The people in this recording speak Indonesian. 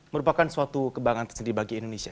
merupakan suatu kebanggaan tersendiri bagi indonesia